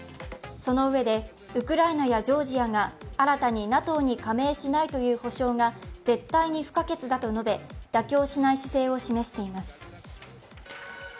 そのうえで、ウクライナやジョージアが新たにＮＡＴＯに加盟しないという保証が絶対に不可欠だと述べ妥協しない姿勢を示しています。